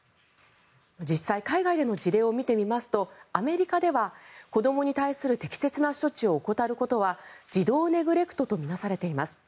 実際海外での事例を見てみますとアメリカでは、子どもに対する適切な処置を怠ることは児童ネグレクトと見なされています。